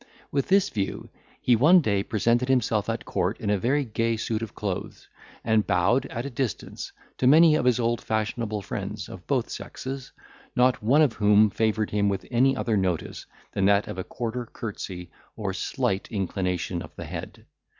With this view, he one day presented himself at court in a very gay suit of clothes, and bowed, at a distance, to many of his old fashionable friends of both sexes, not one of whom favoured him with any other notice, than that of a quarter curtsey, or slight inclination of the head.